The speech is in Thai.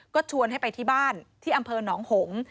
ก็ชวนให้ไปที่บ้านที่อำเภอหนองหงษ์